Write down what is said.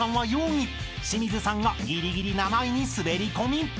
［清水さんがギリギリ７位に滑り込み］